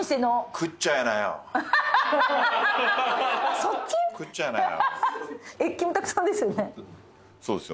食っちゃいなよ。